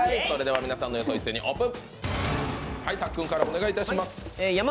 それでは皆さんの予想を一斉にオープン。